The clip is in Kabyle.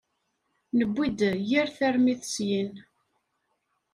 Newwi-d yir tarmit syin.